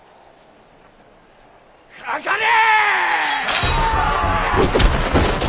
かかれ！